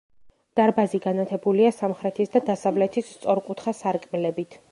დარბაზი განათებულია სამხრეთის და დასავლეთის სწორკუთხა სარკმლებით.